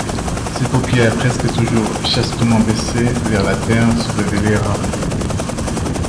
Ses paupières, presque toujours chastement baissées vers la terre, se relevaient rarement.